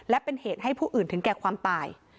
และเป็นเหตุให้ผู้อื่นถึงแก่ความตาย